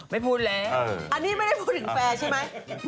ไม่พูดแล้วอันนี้ไม่ได้พูดถึงแฟร์ใช่ไหม